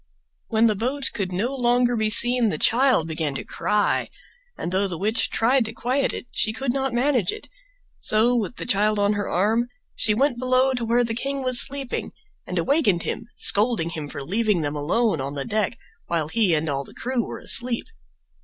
When the boat could no longer be seen the child began to cry, and though the witch tried to quiet it she could not manage it; so, with the child on her arm, she went below to where the king was sleeping, and awakened him, scolding him for leaving them alone on deck while he and all the crew were asleep.